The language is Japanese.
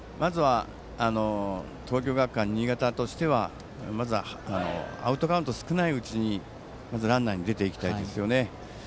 東京学館新潟としてはアウトカウントが少ないうちにランナーに出ていきたいですよね。